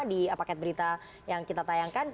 di paket berita yang kita tayangkan